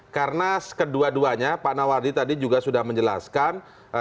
karena kedua duanya pak nawardi tadi juga sudah menjelaskan